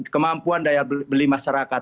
kemampuan daya beli masyarakat